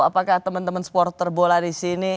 apakah teman teman sporter bola disini